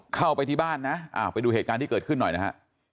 เข้าไปที่บ้านนะไปดูเหตุการณ์ที่เกิดขึ้นหน่อยนะฮะ